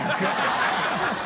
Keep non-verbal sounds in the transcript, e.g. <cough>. ハハハ <laughs>